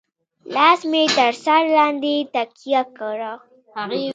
لاس مې تر سر لاندې تکيه کړه.